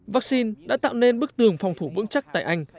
vaccine đã tạo nên bức tường phòng thủ vững chắc tại anh